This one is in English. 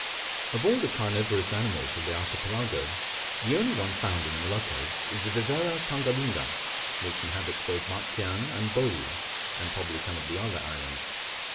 Of all the carnivorous animals of the Archipelago the only one found in the Moluccas is the Viverra tangalunga, which inhabits both Batchian and Bouru, and probably come of the other islands.